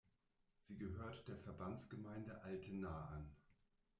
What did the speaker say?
Sie gehört der Verbandsgemeinde Altenahr an.